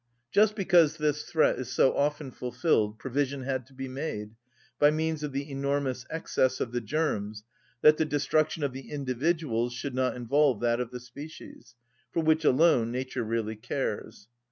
Just because this threat is so often fulfilled provision had to be made, by means of the enormous excess of the germs, that the destruction of the individuals should not involve that of the species, for which alone nature really cares.